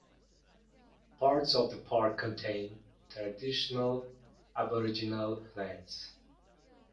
Parts of the park contain traditional aboriginal lands.